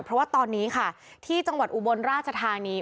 เพราะว่าตอนนี้ค่ะที่จังหวัดอุบลราชธานี